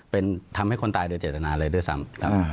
เป็นทำให้คนตายโดยเจตนาเลยด้วยซ้ำครับ